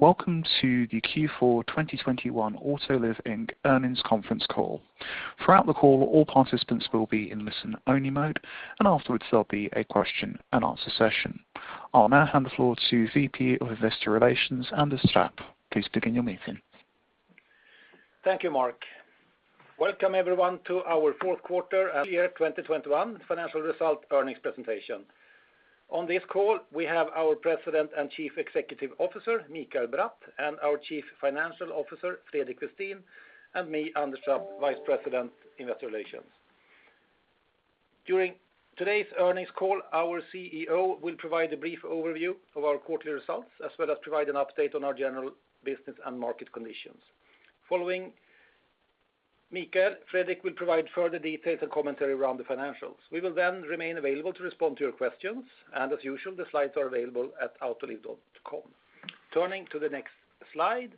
Welcome to the Q4 2021 Autoliv, Inc. earnings conference call. Throughout the call, all participants will be in listen-only mode, and afterwards, there'll be a question and answer session. I'll now hand the floor to VP of Investor Relations, Anders Trapp. Please begin your meeting. Thank you, Mark. Welcome everyone to our Q4 and full year 2021 financial result earnings presentation. On this call, we have our President and Chief Executive Officer, Mikael Bratt, and our Chief Financial Officer, Fredrik Westin, and me, Anders Trapp, Vice President, Investor Relations. During today's earnings call, our CEO will provide a brief overview of our quarterly results, as well as provide an update on our general business and market conditions. Following Mikael, Fredrik will provide further details and commentary around the financials. We will then remain available to respond to your questions, and as usual, the slides are available at autoliv.com. Turning to the next slide,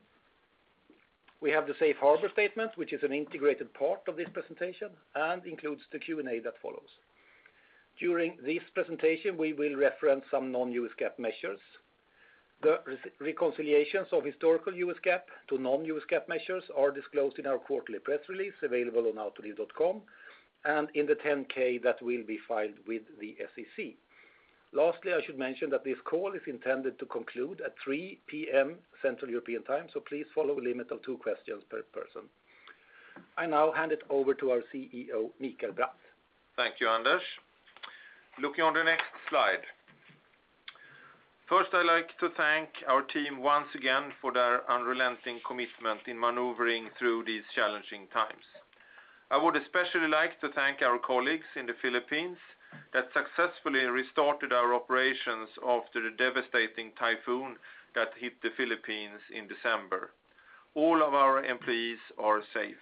we have the safe harbor statement, which is an integrated part of this presentation and includes the Q&A that follows. During this presentation, we will reference some non-U.S. GAAP measures. The reconciliations of historical U.S. GAAP to non-U.S. GAAP measures are disclosed in our quarterly press release available on autoliv.com and in the 10-K that will be filed with the SEC. Lastly, I should mention that this call is intended to conclude at 3:00 P.M. Central European Time, so please follow a limit of two questions per person. I now hand it over to our CEO, Mikael Bratt. Thank you, Anders. Looking on the next slide. First, I like to thank our team once again for their unrelenting commitment in maneuvering through these challenging times. I would especially like to thank our colleagues in the Philippines that successfully restarted our operations after the devastating typhoon that hit the Philippines in December. All of our employees are safe.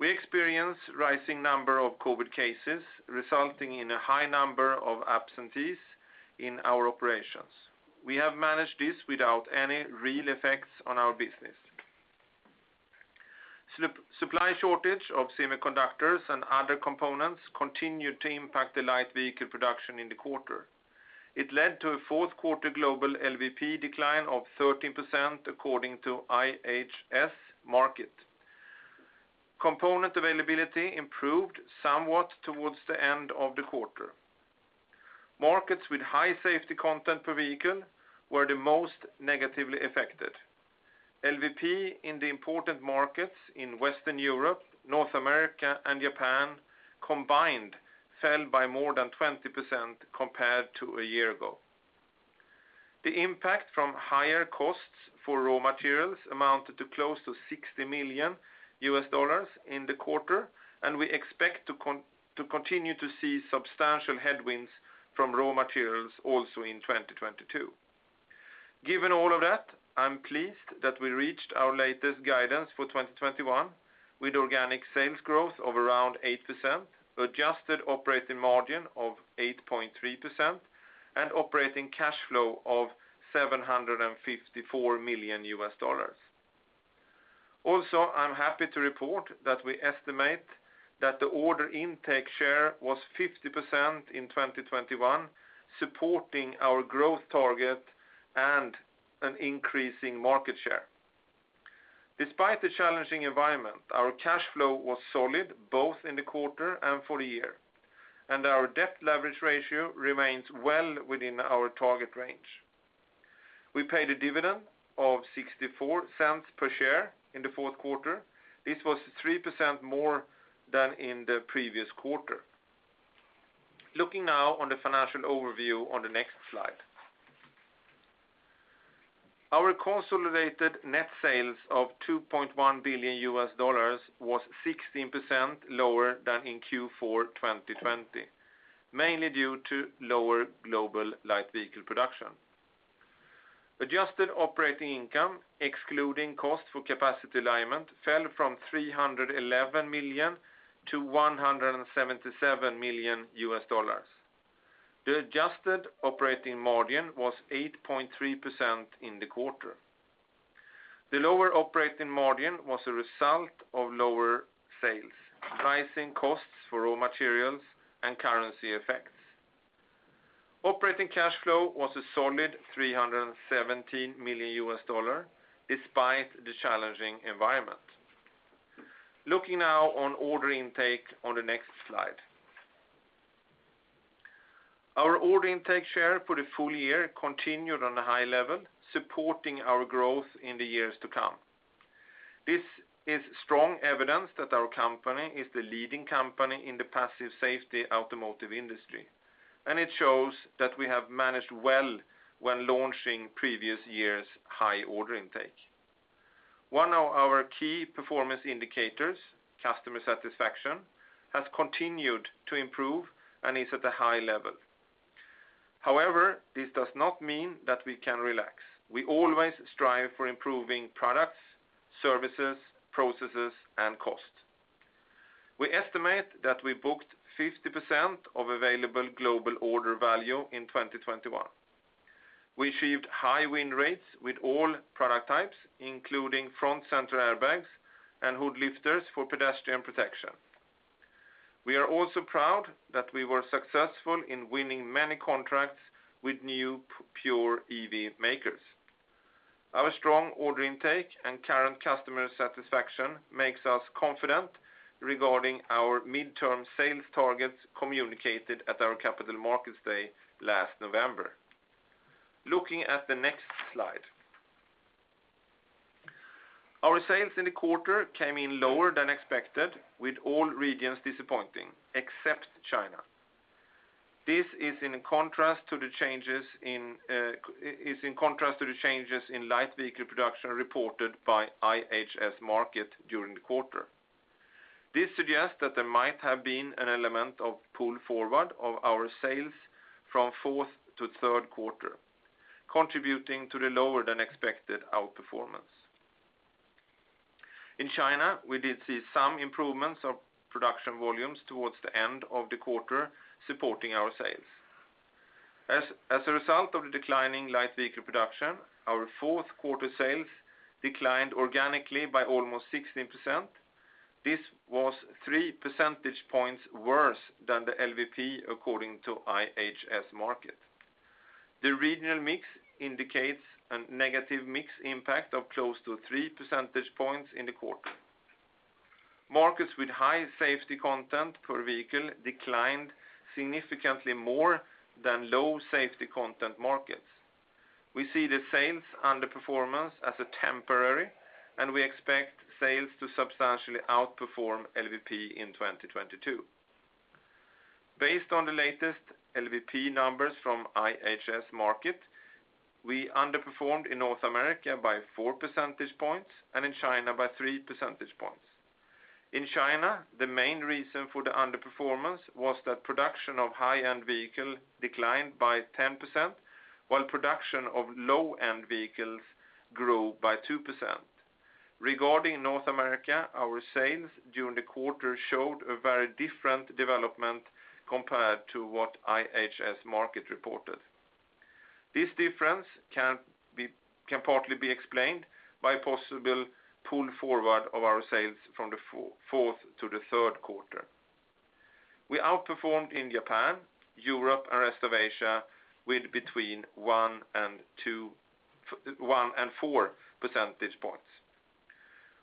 We experience rising number of COVID cases, resulting in a high number of absentees in our operations. We have managed this without any real effects on our business. Supply shortage of semiconductors and other components continued to impact the light vehicle production in the quarter. It led to a Q4 global LVP decline of 13% according to IHS Markit. Component availability improved somewhat towards the end of the quarter. Markets with high safety content per vehicle were the most negatively affected. LVP in the important markets in Western Europe, North America, and Japan combined fell by more than 20% compared to a year ago. The impact from higher costs for raw materials amounted to close to $60 million in the quarter, and we expect to continue to see substantial headwinds from raw materials also in 2022. Given all of that, I'm pleased that we reached our latest guidance for 2021 with organic sales growth of around 8%, adjusted operating margin of 8.3%, and operating cash flow of $754 million. Also, I'm happy to report that we estimate that the order intake share was 50% in 2021, supporting our growth target and an increasing market share. Despite the challenging environment, our cash flow was solid both in the quarter and for the year, and our debt leverage ratio remains well within our target range. We paid a dividend of $0.64 per share in the Q4. This was 3% more than in the previous quarter. Looking now on the financial overview on the next slide. Our consolidated net sales of $2.1 billion was 16% lower than in Q4 2020, mainly due to lower global light vehicle production. Adjusted operating income, excluding cost for capacity alignment, fell from $311 million to $177 million. The adjusted operating margin was 8.3% in the quarter. The lower operating margin was a result of lower sales, rising costs for raw materials, and currency effects. Operating cash flow was a solid $317 million despite the challenging environment. Looking now on order intake on the next slide. Our order intake share for the full year continued on a high level, supporting our growth in the years to come. This is strong evidence that our company is the leading company in the passive safety automotive industry, and it shows that we have managed well when launching previous year's high order intake. One of our key performance indicators, customer satisfaction, has continued to improve and is at a high level. However, this does not mean that we can relax. We always strive for improving products, services, processes, and costs. We estimate that we booked 50% of available global order value in 2021. We achieved high win rates with all product types, including front center airbags and hood lifters for pedestrian protection. We are also proud that we were successful in winning many contracts with new pure EV makers. Our strong order intake and current customer satisfaction makes us confident regarding our midterm sales targets communicated at our capital markets day last November. Looking at the next slide. Our sales in the quarter came in lower than expected, with all regions disappointing except China. This is in contrast to the changes in light vehicle production reported by IHS Markit during the quarter. This suggests that there might have been an element of pull forward of our sales from fourth to Q3, contributing to the lower than expected outperformance. In China, we did see some improvements of production volumes towards the end of the quarter, supporting our sales. As a result of the declining light vehicle production, our Q4 sales declined organically by almost 16%. This was three percentage points worse than the LVP according to IHS Markit. The regional mix indicates a negative mix impact of close to three percentage points in the quarter. Markets with high safety content per vehicle declined significantly more than low safety content markets. We see the sales underperformance as temporary, and we expect sales to substantially outperform LVP in 2022. Based on the latest LVP numbers from IHS Markit, we underperformed in North America by four percentage points and in China by three percentage points. In China, the main reason for the underperformance was that production of high-end vehicle declined by 10%, while production of low-end vehicles grew by 2%. Regarding North America, our sales during the quarter showed a very different development compared to what IHS Markit reported. This difference can partly be explained by possible pull forward of our sales from the fourth to the Q3. We outperformed in Japan, Europe, and rest of Asia with between one and four percentage points.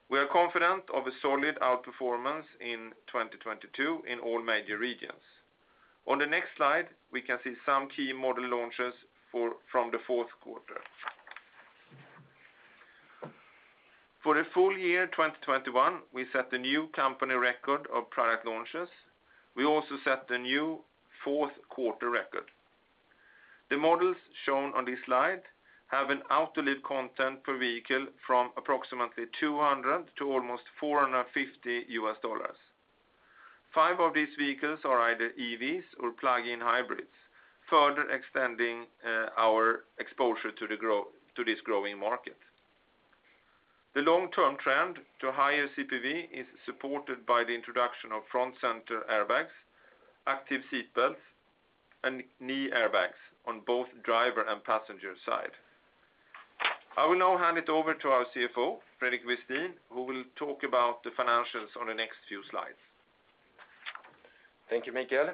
We are confident of a solid outperformance in 2022 in all major regions. On the next slide, we can see some key model launches from the Q4. For the full year 2021, we set a new company record of product launches. We also set a new Q4 record. The models shown on this slide have an Autoliv content per vehicle from approximately $200 to almost $450. Five of these vehicles are either EVs or plug-in hybrids, further extending our exposure to this growing market. The long-term trend to higher CPV is supported by the introduction of front center airbags, active seat belts, and knee airbags on both driver and passenger side. I will now hand it over to our CFO, Fredrik Westin, who will talk about the financials on the next few slides. Thank you, Mikael.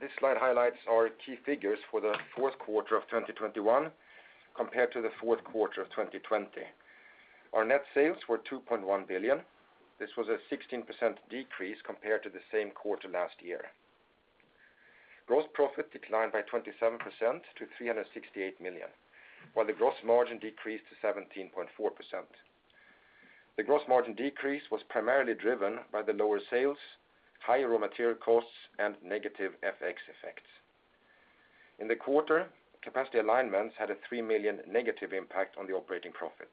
This slide highlights our key figures for the Q4 of 2021 compared to the Q4 of 2020. Our net sales were $2.1 billion. This was a 16% decrease compared to the same quarter last year. Gross profit declined by 27% to $368 million, while the gross margin decreased to 17.4%. The gross margin decrease was primarily driven by the lower sales, higher raw material costs, and negative FX effects. In the quarter, capacity alignments had a $3 million negative impact on the operating profit.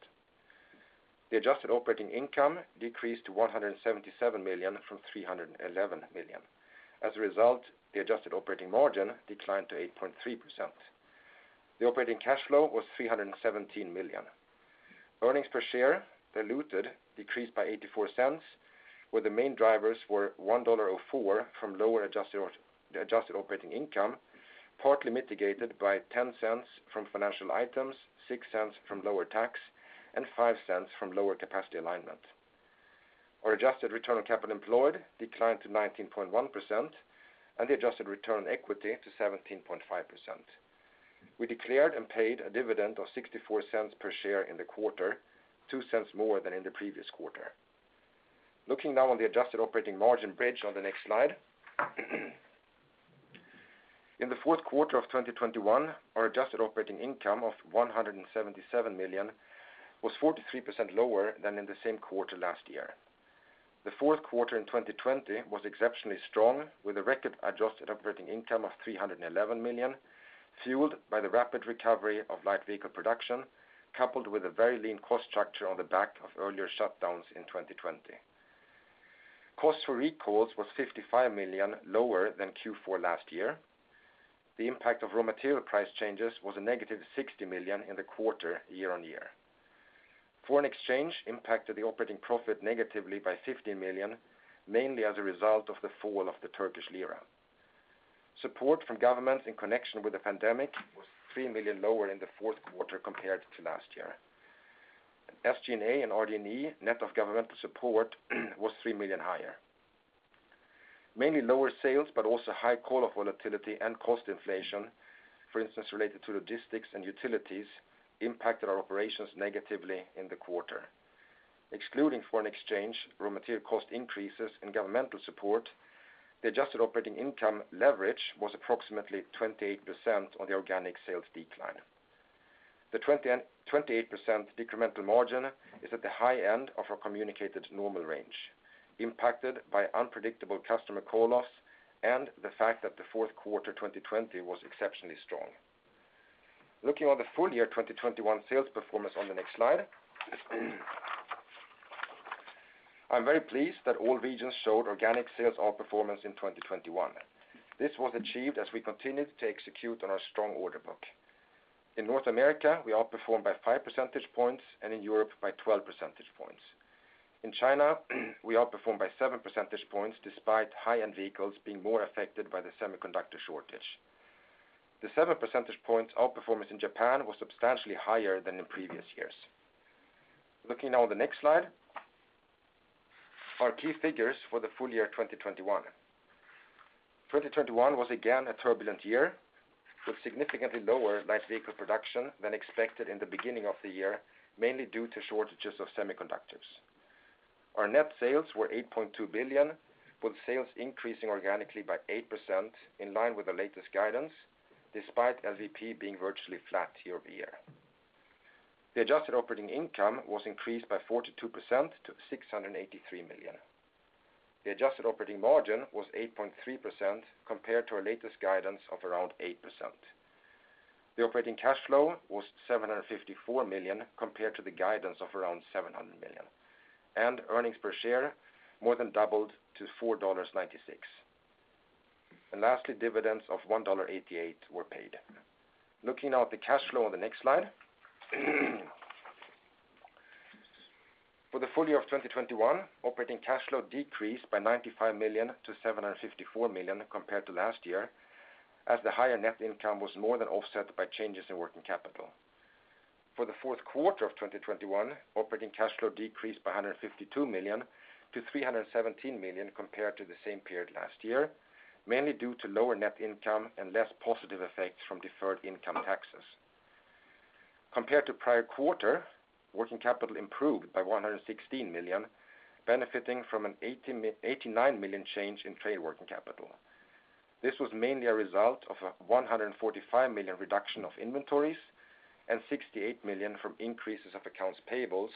The adjusted operating income decreased to $177 million from $311 million. As a result, the adjusted operating margin declined to 8.3%. The operating cash flow was $317 million. earnings per share decreased by $0.84, where the main drivers were $1.04 from lower adjusted operating income, partly mitigated by $0.10 from financial items, $0.06 from lower tax, and $0.05 from lower capacity alignment. Our adjusted return on capital employed declined to 19.1%, and the adjusted return on equity to 17.5%. We declared and paid a dividend of $0.64 per share in the quarter, $0.02 more than in the previous quarter. Looking now on the adjusted operating margin bridge on the next slide. In the Q4 of 2021, our adjusted operating income of $177 million was 43% lower than in the same quarter last year. The Q4 in 2020 was exceptionally strong, with a record adjusted operating income of $311 million, fueled by the rapid recovery of light vehicle production, coupled with a very lean cost structure on the back of earlier shutdowns in 2020. Cost for recalls was $55 million lower than Q4 last year. The impact of raw material price changes was a -$60 million in the quarter, year-over-year. Foreign exchange impacted the operating profit negatively by $50 million, mainly as a result of the fall of the Turkish lira. Support from government in connection with the pandemic was $3 million lower in the Q4 compared to last year. SG&A and RD&E net of governmental support was $3 million higher. Mainly lower sales, but also high call-off volatility and cost inflation, for instance, related to logistics and utilities, impacted our operations negatively in the quarter. Excluding foreign exchange, raw material cost increases and governmental support, the adjusted operating income leverage was approximately 28% on the organic sales decline. The 28% incremental margin is at the high end of our communicated normal range, impacted by unpredictable customer call-offs and the fact that the Q4 2020 was exceptionally strong. Looking on the full year 2021 sales performance on the next slide. I'm very pleased that all regions showed organic sales outperformance in 2021. This was achieved as we continued to execute on our strong order book. In North America, we outperformed by five percentage points, and in Europe by 12 percentage points. In China, we outperformed by seven percentage points, despite high-end vehicles being more affected by the semiconductor shortage. The seven percentage points outperformance in Japan was substantially higher than in previous years. Looking now at the next slide. Our key figures for the full year 2021. 2021 was again a turbulent year, with significantly lower light vehicle production than expected in the beginning of the year, mainly due to shortages of semiconductors. Our net sales were $8.2 billion, with sales increasing organically by 8% in line with the latest guidance, despite LVP being virtually flat year-over-year. The adjusted operating income was increased by 42% to $683 million. The adjusted operating margin was 8.3% compared to our latest guidance of around 8%. The operating cash flow was $754 million compared to the guidance of around $700 million. Earnings per share more than doubled to $4.96. Lastly, dividends of $1.88 were paid. Looking at the cash flow on the next slide. For the full year of 2021, operating cash flow decreased by $95 million to $754 million compared to last year, as the higher net income was more than offset by changes in working capital. For the Q4 of 2021, operating cash flow decreased by $152 million to $317 million compared to the same period last year, mainly due to lower net income and less positive effects from deferred income taxes. Compared to prior quarter, working capital improved by $116 million, benefiting from an $89 million change in trade working capital. This was mainly a result of a $145 million reduction of inventories and $68 million from increases of accounts payables,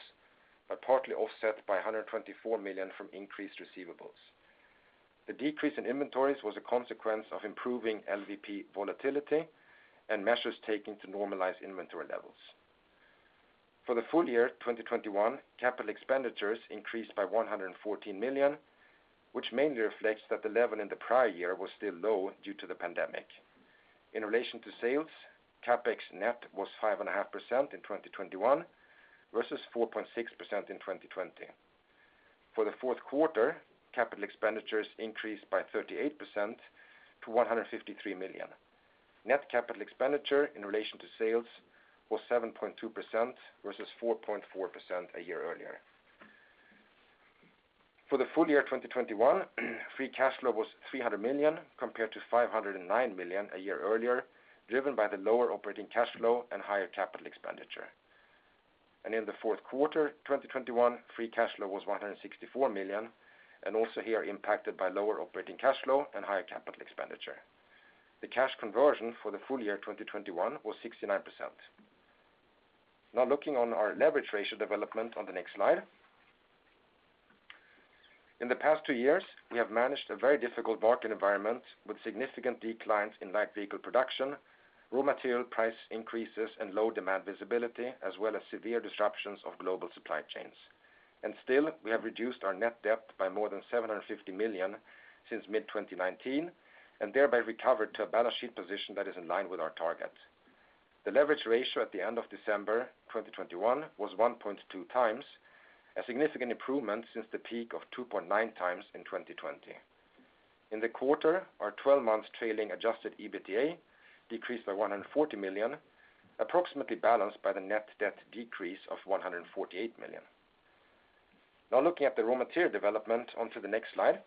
but partly offset by a $124 million from increased receivables. The decrease in inventories was a consequence of improving LVP volatility and measures taken to normalize inventory levels. For the full year 2021, capital expenditures increased by $114 million, which mainly reflects that the level in the prior year was still low due to the pandemic. In relation to sales, Capex, net was 5.5% in 2021 versus 4.6% in 2020. For the Q4, capital expenditures increased by 38% to $153 million. Net capital expenditure in relation to sales was 7.2% versus 4.4% a year earlier. For the full year 2021, free cash flow was $300 million compared to $509 million a year earlier, driven by the lower operating cash flow and higher capital expenditure. In the Q4, 2021, free cash flow was $164 million, and also here impacted by lower operating cash flow and higher capital expenditure. The cash conversion for the full year 2021 was 69%. Now looking on our leverage ratio development on the next slide. In the past two years, we have managed a very difficult market environment with significant declines in light vehicle production, raw material price increases and low demand visibility, as well as severe disruptions of global supply chains. Still, we have reduced our net debt by more than $750 million since mid-2019, and thereby recovered to a balance sheet position that is in line with our target. The leverage ratio at the end of December 2021 was 1.2 times, a significant improvement since the peak of 2.9 times in 2020. In the quarter, our 12-month trailing adjusted EBITDA decreased by $140 million, approximately balanced by the net debt decrease of $148 million. Now looking at the raw material development onto the next slide.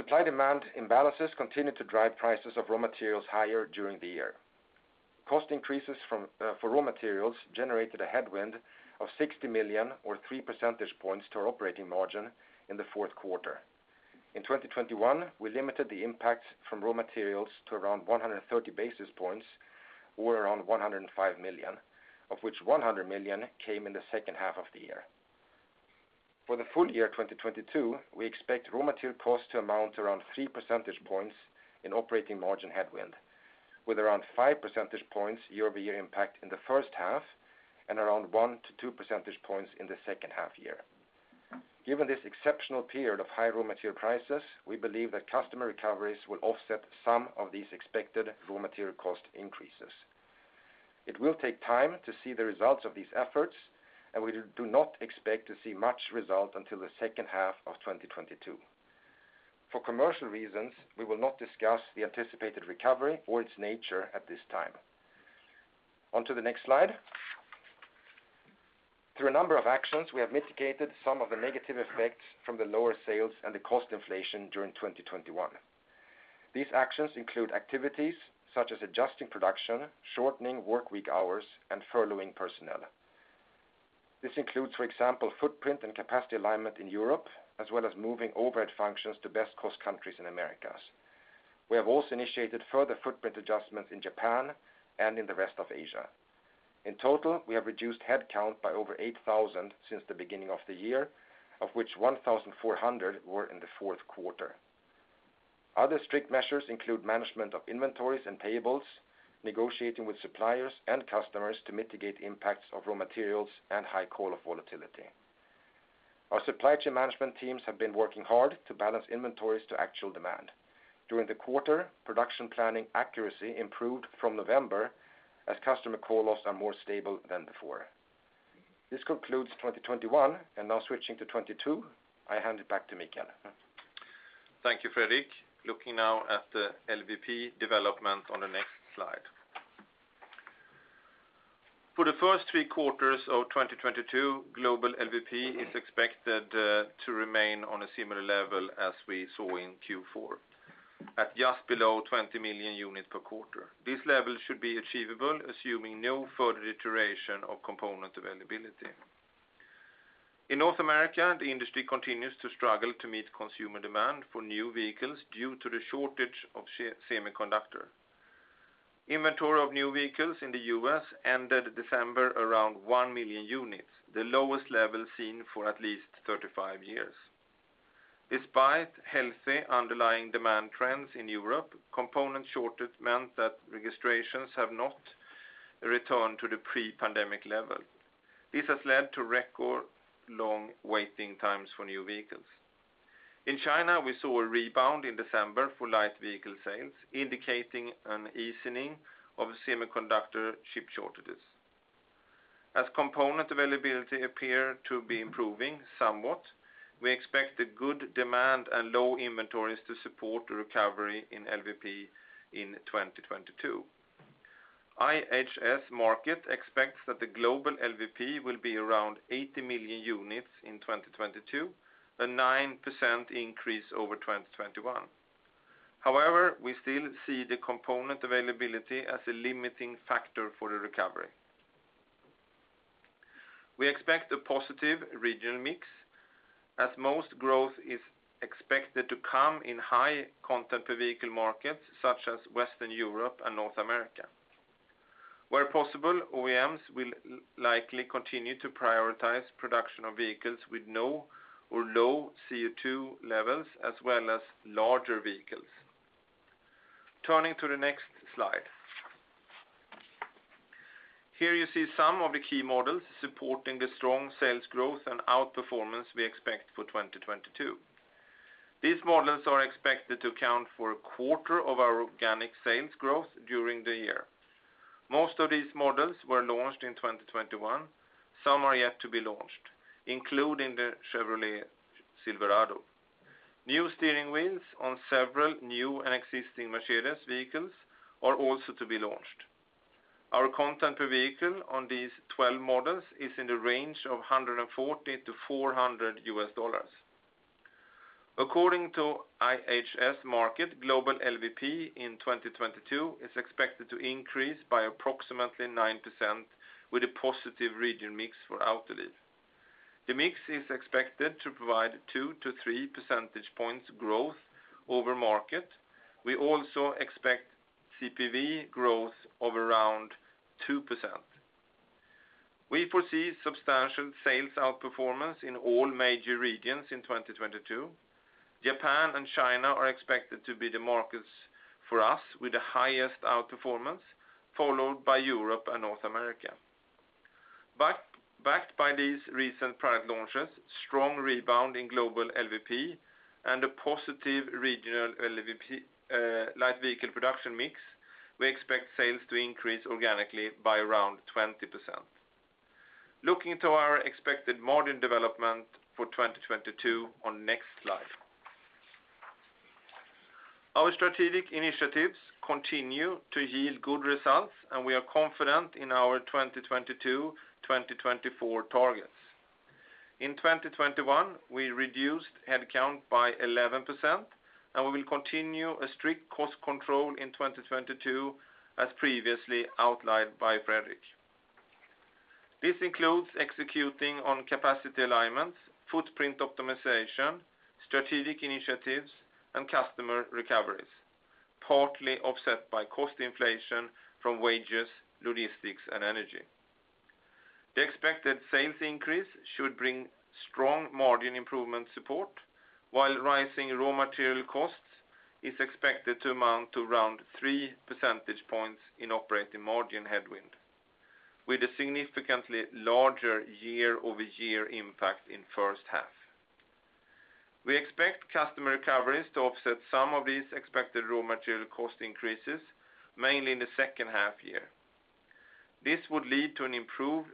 Supply-demand imbalances continued to drive prices of raw materials higher during the year. Cost increases from, for raw materials generated a headwind of $60 million or three percentage points to our operating margin in the Q4. In 2021, we limited the impact from raw materials to around 130 basis points, or around $105 million, of which $100 million came in the second half of the year. For the full year 2022, we expect raw material costs to amount to around three percentage points in operating margin headwind, with around five percentage points year-over-year impact in the first half and around one to two percentage points in the second half year. Given this exceptional period of high raw material prices, we believe that customer recoveries will offset some of these expected raw material cost increases. It will take time to see the results of these efforts, and we do not expect to see much result until the second half of 2022. For commercial reasons, we will not discuss the anticipated recovery or its nature at this time. On to the next slide. Through a number of actions, we have mitigated some of the negative effects from the lower sales and the cost inflation during 2021. These actions include activities such as adjusting production, shortening work week hours, and furloughing personnel. This includes, for example, footprint and capacity alignment in Europe, as well as moving overhead functions to best cost countries in Americas. We have also initiated further footprint adjustments in Japan and in the rest of Asia. In total, we have reduced headcount by over 8,000 since the beginning of the year, of which 1,400 were in the Q4. Other strict measures include management of inventories and payables, negotiating with suppliers and customers to mitigate impacts of raw materials and high level of volatility. Our supply chain management teams have been working hard to balance inventories to actual demand. During the quarter, production planning accuracy improved from November as customer call loss are more stable than before. This concludes 2021. Now switching to 2022, I hand it back to Mikael. Thank you, Fredrik. Looking now at the LVP development on the next slide. For the first three quarters of 2022, global LVP is expected to remain on a similar level as we saw in Q4, at just below 20 million units per quarter. This level should be achievable, assuming no further deterioration of component availability. In North America, the industry continues to struggle to meet consumer demand for new vehicles due to the shortage of semiconductor. Inventory of new vehicles in the U.S. ended December around 1 million units, the lowest level seen for at least 35 years. Despite healthy underlying demand trends in Europe, component shortages meant that registrations have not returned to the pre-pandemic level. This has led to record long waiting times for new vehicles. In China, we saw a rebound in December for light vehicle sales, indicating an easing of semiconductor chip shortages. As component availability appear to be improving somewhat, we expect a good demand and low inventories to support the recovery in LVP in 2022. IHS Markit expects that the global LVP will be around 80 million units in 2022, a 9% increase over 2021. However, we still see the component availability as a limiting factor for the recovery. We expect a positive regional mix as most growth is expected to come in high content per vehicle markets such as Western Europe and North America. Where possible, OEMs will likely continue to prioritize production of vehicles with no or low CO2 levels, as well as larger vehicles. Turning to the next slide. Here you see some of the key models supporting the strong sales growth and outperformance we expect for 2022. These models are expected to count for a quarter of our organic sales growth during the year. Most of these models were launched in 2021. Some are yet to be launched, including the Chevrolet Silverado. New steering wheels on several new and existing Mercedes vehicles are also to be launched. Our content per vehicle on these 12 models is in the range of $140-$400. According to IHS Markit, global LVP in 2022 is expected to increase by approximately 9% with a positive region mix for Autoliv. The mix is expected to provide two to three percentage points growth over market. We also expect CPV growth of around 2%. We foresee substantial sales outperformance in all major regions in 2022. Japan and China are expected to be the markets for us with the highest outperformance, followed by Europe and North America. Backed by these recent product launches, strong rebound in global LVP and a positive regional LVP, light vehicle production mix, we expect sales to increase organically by around 20%. Looking to our expected margin development for 2022 on next slide. Our strategic initiatives continue to yield good results, and we are confident in our 2022, 2024 targets. In 2021, we reduced headcount by 11%, and we will continue a strict cost control in 2022, as previously outlined by Fredrik. This includes executing on capacity alignments, footprint optimization, strategic initiatives, and customer recoveries, partly offset by cost inflation from wages, logistics, and energy. The expected sales increase should bring strong margin improvement support, while rising raw material costs is expected to amount to around three percentage points in operating margin headwind, with a significantly larger year-over-year impact in first half. We expect customer recoveries to offset some of these expected raw material cost increases, mainly in the second half year. This would lead to an improved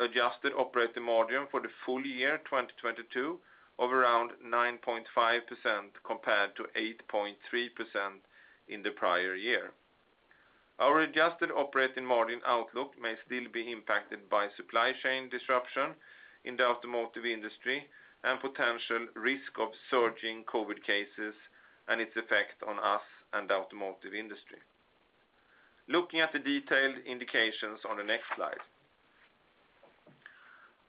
adjusted operating margin for the full year 2022 of around 9.5% compared to 8.3% in the prior year. Our adjusted operating margin outlook may still be impacted by supply chain disruption in the automotive industry and potential risk of surging COVID cases and its effect on us and the automotive industry. Looking at the detailed indications on the next slide.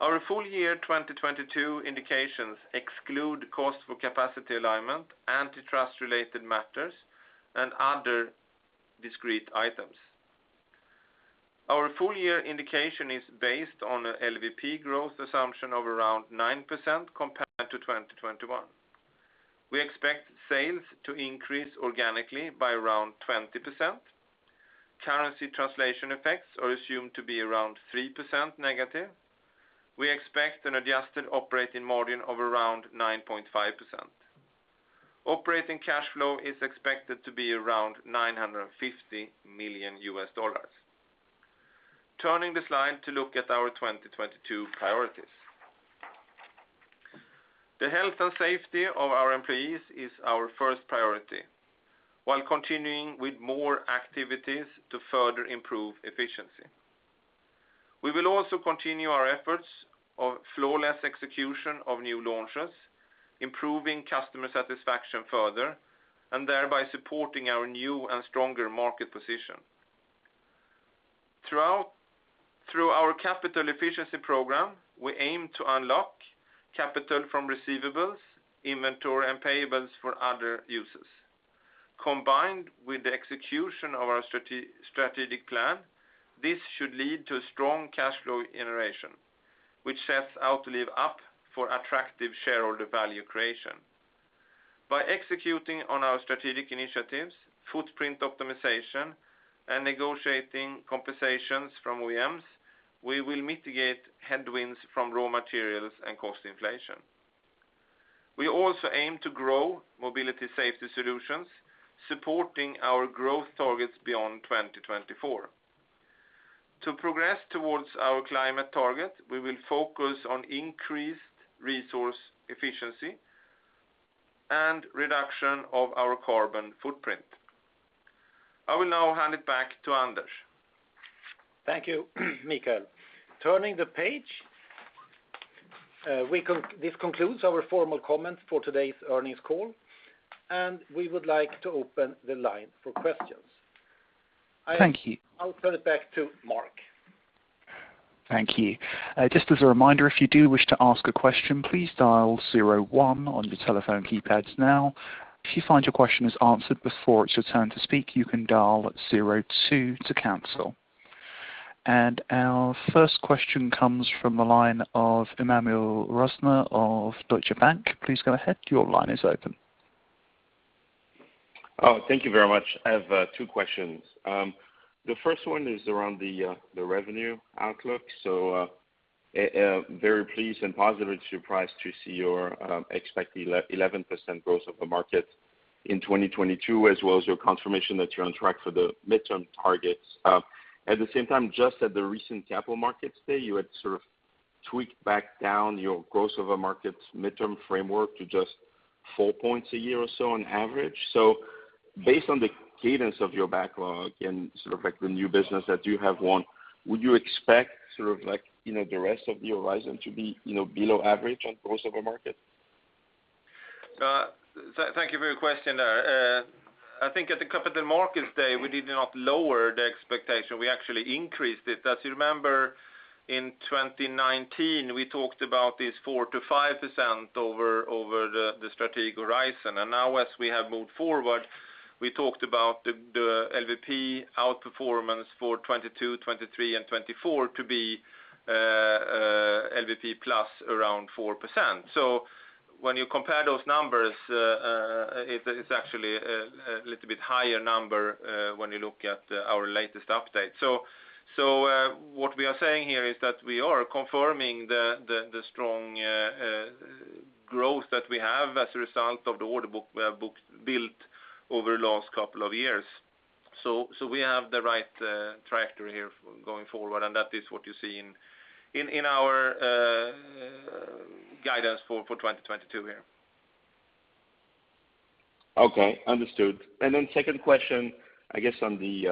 Our full year 2022 indications exclude costs for capacity alignment, antitrust related matters, and other discrete items. Our full year indication is based on a LVP growth assumption of around 9% compared to 2021. We expect sales to increase organically by around 20%. Currency translation effects are assumed to be around 3% negative. We expect an adjusted operating margin of around 9.5%. Operating cash flow is expected to be around $950 million. Turning to the slide to look at our 2022 priorities. The health and safety of our employees is our first priority, while continuing with more activities to further improve efficiency. We will also continue our efforts of flawless execution of new launches, improving customer satisfaction further, and thereby supporting our new and stronger market position. Through our capital efficiency program, we aim to unlock capital from receivables, inventory, and payables for other uses. Combined with the execution of our strategic plan, this should lead to strong cash flow generation, which sets Autoliv up for attractive shareholder value creation. By executing on our strategic initiatives, footprint optimization, and negotiating compensations from OEMs, we will mitigate headwinds from raw materials and cost inflation. We also aim to grow mobility safety solutions, supporting our growth targets beyond 2024. To progress towards our climate target, we will focus on increased resource efficiency and reduction of our carbon footprint. I will now hand it back to Anders. Thank you, Mikael. Turning the page, this concludes our formal comments for today's earnings call, and we would like to open the line for questions. Thank you. I'll turn it back to Mark. Thank you. Just as a reminder, if you do wish to ask a question, please dial zero one on your telephone keypads now. If you find your question is answered before it's your turn to speak, you can dial zero two to cancel. Our first question comes from the line of Emmanuel Rosner of Deutsche Bank. Please go ahead. Your line is open. Oh, thank you very much. I have two questions. The first one is around the revenue outlook. Very pleased and positively surprised to see your expected 11% growth of the market in 2022, as well as your confirmation that you're on track for the midterm targets. At the same time, just at the recent Capital Markets Day, you had sort of tweaked back down your growth of a market's midterm framework to just four points a year or so on average. Based on the cadence of your backlog and sort of like the new business that you have won, would you expect sort of like, you know, the rest of the horizon to be, you know, below average on growth of a market? Thank you for your question. I think at the Capital Markets Day, we did not lower the expectation. We actually increased it. As you remember, in 2019, we talked about this 4%-5% over the strategic horizon. Now, as we have moved forward, we talked about the LVP outperformance for 2022, 2023 and 2024 to be LVP plus around 4%. When you compare those numbers, it's actually a little bit higher number when you look at our latest update. What we are saying here is that we are confirming the strong growth that we have as a result of the order book we have built over the last couple of years. We have the right trajectory here going forward, and that is what you see in our guidance for 2022 here. Okay, understood. Second question, I guess, on the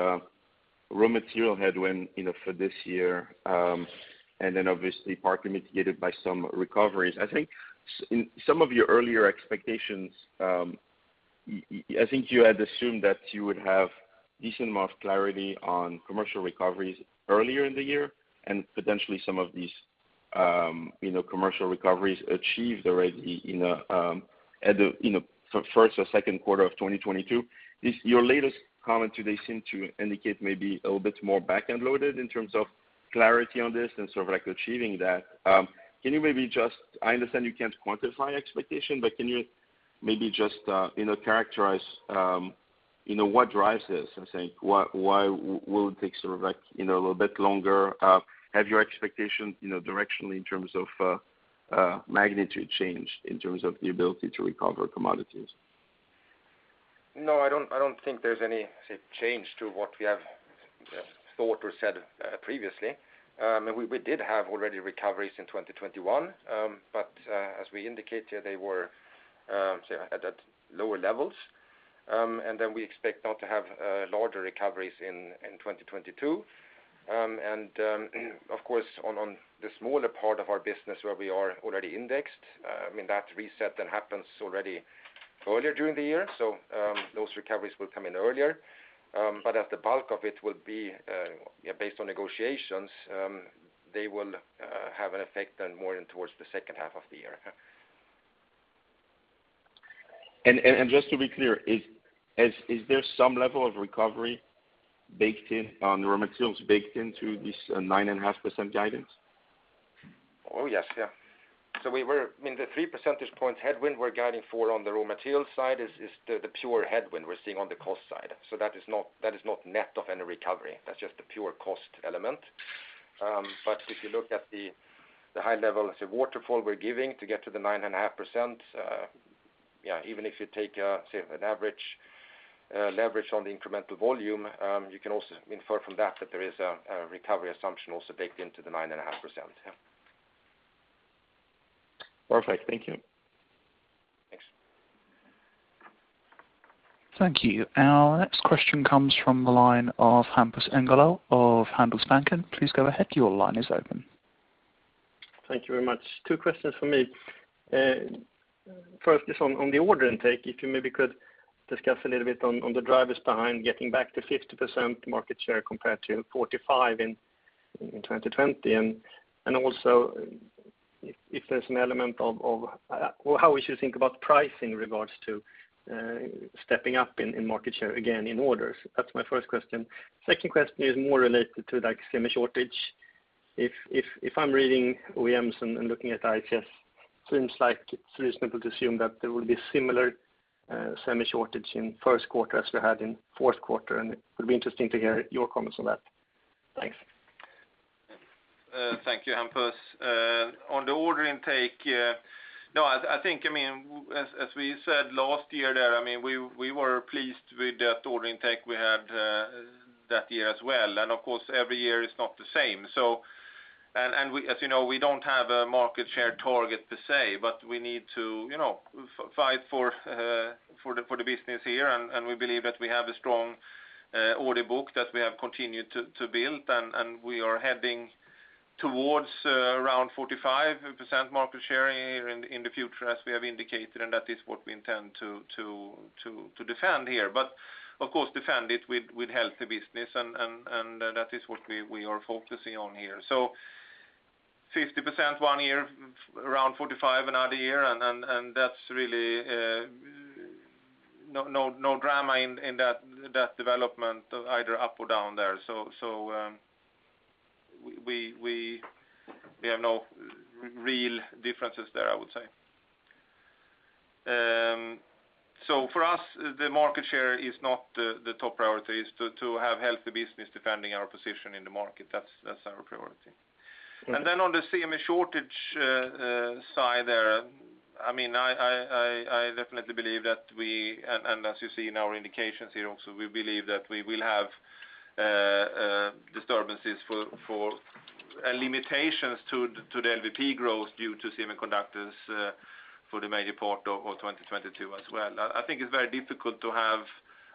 raw material headwind, you know, for this year, and then obviously partly mitigated by some recoveries. I think in some of your earlier expectations, I think you had assumed that you would have decent amount of clarity on commercial recoveries earlier in the year, and potentially some of these, you know, commercial recoveries achieved already in the first or Q2 of 2022. Does your latest comment today seem to indicate maybe a little bit more back-end loaded in terms of clarity on this and sort of like achieving that? I understand you can't quantify expectation, but can you maybe just, you know, characterize, you know, what drives this? I'm saying, why will it take sort of like, you know, a little bit longer? Have your expectations, you know, directionally in terms of, magnitude change in terms of the ability to recover commodities? No, I don't think there's any change to what we have thought or said previously. We did have already recoveries in 2021. As we indicated, they were say at that lower levels. We expect now to have larger recoveries in 2022. Of course, on the smaller part of our business where we are already indexed, I mean, that reset then happens already earlier during the year. Those recoveries will come in earlier. As the bulk of it will be based on negotiations, they will have an effect then more in towards the second half of the year. Just to be clear, is there some level of recovery baked in on raw materials baked into this 9.5% guidance? Yes. The three percentage points headwind we're guiding for on the raw materials side is the pure headwind we're seeing on the cost side. That is not net of any recovery. That's just the pure cost element. If you look at the high level, the waterfall we're giving to get to the 9.5%, even if you take, say, an average leverage on the incremental volume, you can also infer from that that there is a recovery assumption also baked into the 9.5%. Perfect. Thank you. Thanks. Thank you. Our next question comes from the line of Hampus Engellau of Handelsbanken. Please go ahead. Your line is open. Thank you very much. Two questions for me. First is on the order intake. If you maybe could discuss a little bit on the drivers behind getting back to 50% market share compared to 45% in 2020. Also if there's an element of how we should think about pricing in regards to stepping up in market share again in orders. That's my first question. Second question is more related to, like, semi shortage. If I'm reading OEMs and looking at IHS, seems like it's reasonable to assume that there will be similar semi shortage in Q1 as we had in Q4, and it would be interesting to hear your comments on that. Thanks. Thank you, Hampus. On the order intake, I think, I mean, as we said last year there, I mean, we were pleased with that order intake we had that year as well. Of course, every year is not the same. We, as you know, don't have a market share target per se, but we need to, you know, fight for the business here. We believe that we have a strong order book that we have continued to build, and we are heading towards around 45% market share in the future, as we have indicated, and that is what we intend to defend here. Of course defend it with healthy business and that is what we are focusing on here. So 50% one year, around 45 another year, and that's really no drama in that development either up or down there. So we have no real differences there, I would say. For us, the market share is not the top priority. It's to have healthy business defending our position in the market. That's our priority. Okay. Then on the semi shortage side there, I mean, I definitely believe that as you see in our indications here also, we believe that we will have disturbances and limitations to the LVP growth due to semiconductors for the major part of 2022 as well. I think it's very difficult to have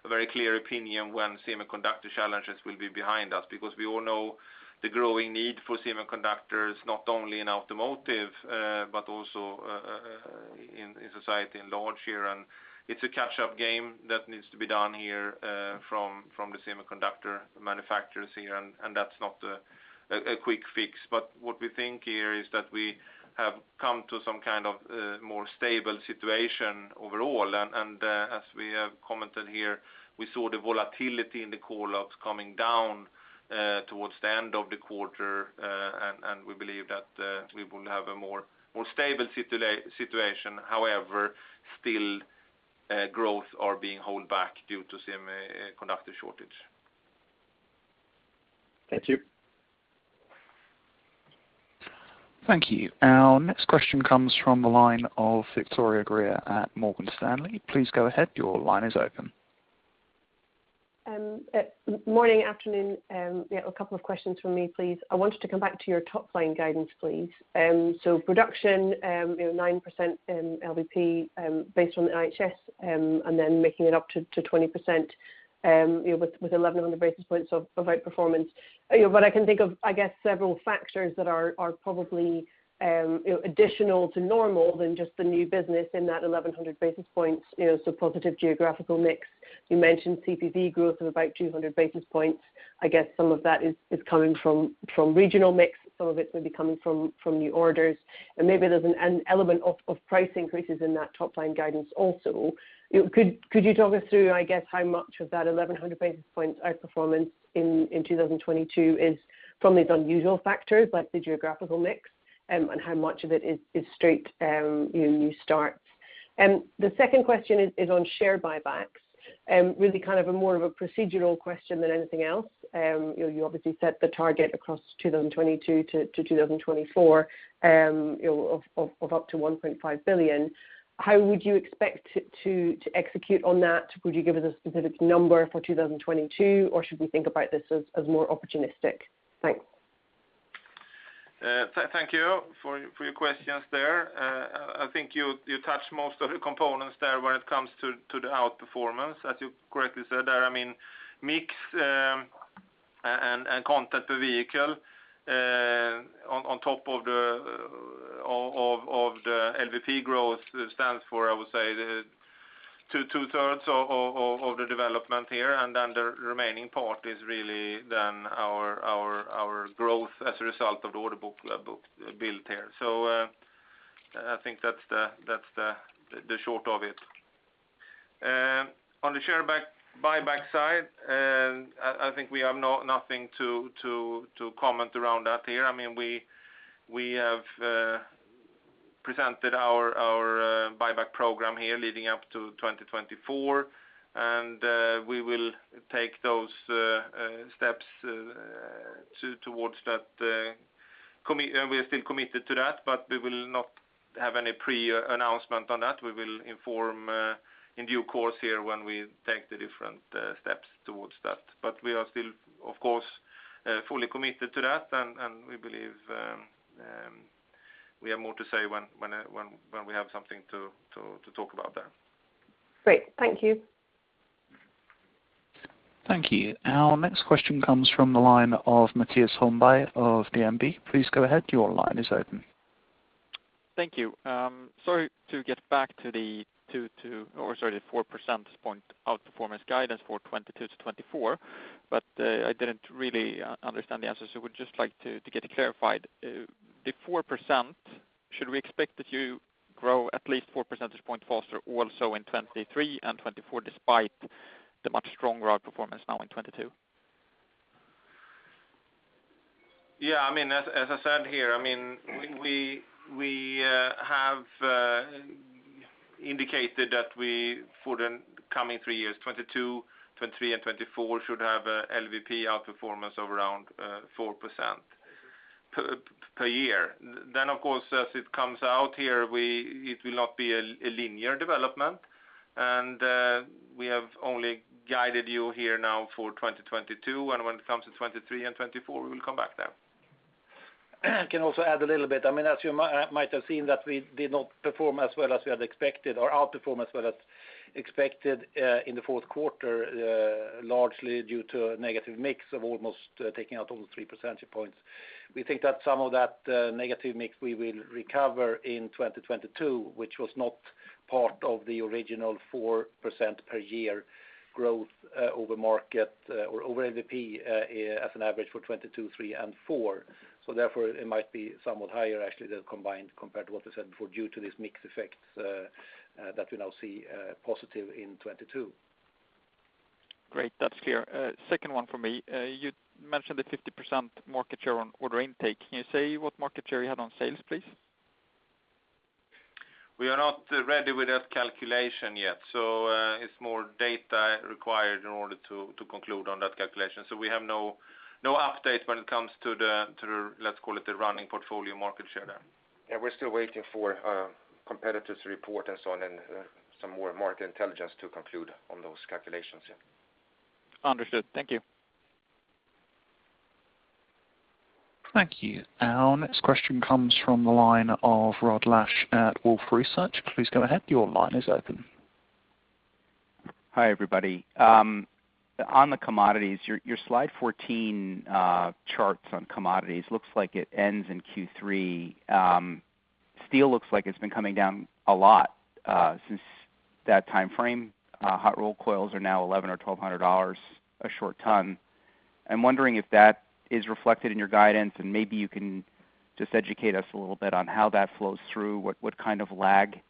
a very clear opinion when semiconductor challenges will be behind us, because we all know the growing need for semiconductors, not only in automotive, but also in society at large here. It's a catch-up game that needs to be done here from the semiconductor manufacturers here. That's not a quick fix. What we think here is that we have come to some kind of more stable situation overall. As we have commented here, we saw the volatility in the call outs coming down towards the end of the quarter. We believe that we will have a more stable situation. However, still, growth are being held back due to semiconductor shortage. Thank you. Thank you. Our next question comes from the line of Victoria Greer at Morgan Stanley. Please go ahead. Your line is open. Morning, afternoon. Yeah, a couple of questions from me, please. I wanted to come back to your top line guidance, please. So production, you know, 9% in LVP, based on the IHS, and then making it up to 20%, you know, with 1,100 basis points of outperformance. You know, but I can think of, I guess, several factors that are probably, you know, additional to normal than just the new business in that 1,100 basis points, you know, so positive geographical mix. You mentioned CPV growth of about 200 basis points. I guess some of that is coming from regional mix. Some of it may be coming from new orders, and maybe there's an element of price increases in that top line guidance also. You know, could you talk us through, I guess, how much of that 1,100 basis points outperformance in 2022 is from these unusual factors like the geographical mix, and how much of it is straight, you know, new starts? The second question is on share buybacks. Really kind of more of a procedural question than anything else. You know, you obviously set the target across 2022 to 2024, you know, of up to $1.5 billion. How would you expect to execute on that? Could you give us a specific number for 2022, or should we think about this as more opportunistic? Thanks. Thank you for your questions there. I think you touched most of the components there when it comes to the outperformance, as you correctly said there. I mean, mix and content per vehicle on top of the LVP growth stands for, I would say, the 2/3 of the development here. Then the remaining part is really our growth as a result of the order book built here. I think that's the short of it. On the share buyback side, I think we have nothing to comment around that here. I mean, we have presented our buyback program here leading up to 2024, and we will take those steps towards that. We are still committed to that, but we will not have any pre-announcement on that. We will inform in due course here when we take the different steps towards that. We are still, of course, fully committed to that. We believe we have more to say when we have something to talk about there. Great. Thank you. Thank you. Our next question comes from the line of Mattias Holmberg of DNB. Please go ahead, your line is open. Thank you. To get back to the four percentage point outperformance guidance for 2022 to 2024, but I didn't really understand the answer. I would just like to get it clarified. The four percentage point, should we expect that you grow at least four percentage point faster also in 2023 and 2024, despite the much stronger outperformance now in 2022? Yeah. I mean, as I said here, I mean, we have indicated that for the coming three years, 2022, 2023, and 2024 should have LVP outperformance of around 4% per year. Then, of course, as it comes out here, it will not be a linear development. We have only guided you here now for 2022, and when it comes to 2023 and 2024, we will come back then. Can also add a little bit. I mean, as you might have seen that we did not perform as well as we had expected or outperform as well as expected, in the Q4, largely due to negative mix of almost taking out all three percentage points. We think that some of that negative mix we will recover in 2022, which was not part of the original 4% per year growth, over market, or over LVP, as an average for 2022, 2023, and 2024. It might be somewhat higher actually than combined compared to what we said before, due to this mix effect, that we now see positive in 2022. Great. That's clear. Second one for me. You mentioned the 50% market share on order intake. Can you say what market share you had on sales, please? We are not ready with that calculation yet, so, it's more data required in order to conclude on that calculation. We have no update when it comes to the, let's call it the running portfolio market share there. Yeah, we're still waiting for competitors to report and so on, and some more market intelligence to conclude on those calculations, yeah. Understood. Thank you. Thank you. Our next question comes from the line of Rod Lache at Wolfe Research. Please go ahead. Your line is open. Hi, everybody. On the commodities, your slide 14 charts on commodities looks like it ends in Q3. Steel looks like it's been coming down a lot since that timeframe. Hot-rolled coils are now $1,100 or $1,200 a short ton. I'm wondering if that is reflected in your guidance, and maybe you can just educate us a little bit on how that flows through, what kind of lag